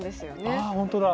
ああ本当だ！